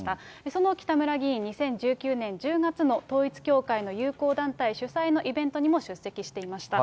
その北村議員、２０１９年１０月の統一教会の友好団体主催のイベントにも出席していました。